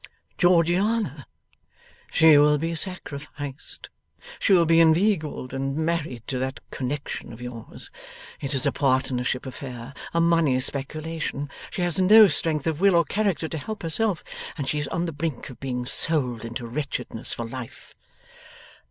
'Georgiana. She will be sacrificed. She will be inveigled and married to that connexion of yours. It is a partnership affair, a money speculation. She has no strength of will or character to help herself and she is on the brink of being sold into wretchedness for life.